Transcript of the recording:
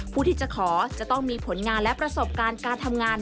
ผู้ที่จะขอจะต้องมีผลงานและประสบการณ์การทำงาน